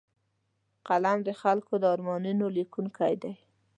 قلم د خلکو د ارمانونو لیکونکی دی